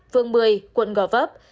phường một mươi quận gò vấp